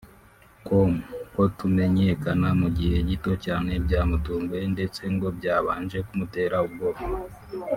com ko kumenyekana mu gihe gito cyane byamutunguye ndetse ngo byabanje kumutera ubwoba